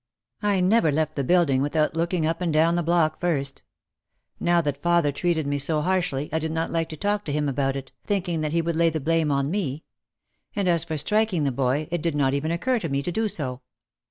I never left the building without looking up and down the block first. Now that father treated me so harshly I did not like to talk to him about it, thinking that he would lay the blame OUT OF THE SHADOW 97 on me. And as for striking the boy, it did not even occur to me to do so.